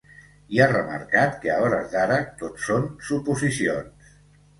I ha remarcat que a hores d’ara ‘tot són suposicions’.